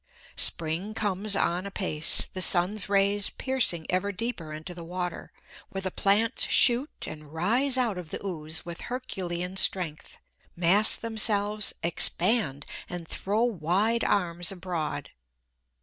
Spring comes on apace, the sun's rays piercing ever deeper into the water, where the plants shoot and rise out of the ooze with herculean strength, mass themselves, expand, and throw wide arms abroad.